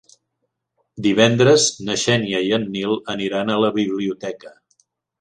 Divendres na Xènia i en Nil aniran a la biblioteca.